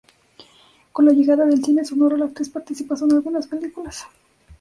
Con la llegada del cine sonoro, la actriz participó en algunas películas.